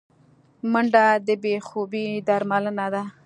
منډه د بې خوبي درملنه ده